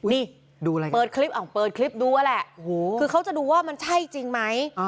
นี่เปิดคลิปเปิดคลิปดูนั่นแหละคือเขาจะดูว่ามันใช่จริงไหม